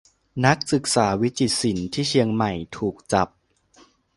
นักศึกษาวิจิตรศิลป์ที่เชียงใหม่ ถูกจับ